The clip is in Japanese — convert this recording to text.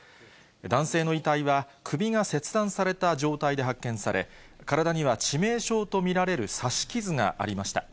男性の遺体は、首が切断された状態で発見され、体には致命傷と見られる刺し傷がありました。